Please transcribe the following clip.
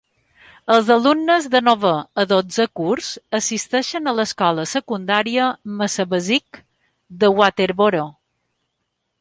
Els alumnes de novè a dotzè curs assisteixen a l'escola secundària Massabesic de Waterboro.